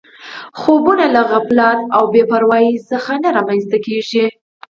خوبونه له غفلت او بې پروایۍ څخه نه رامنځته کېږي